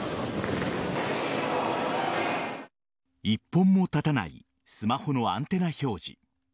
１本も立たないスマホのアンテナ表示。